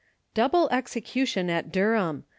DOUBLE EXECUTION AT DURHAM.